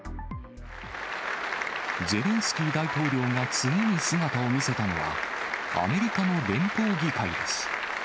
ゼレンスキー大統領が次に姿を見せたのは、アメリカの連邦議会です。